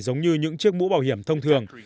giống như những chiếc mũ bảo hiểm thông thường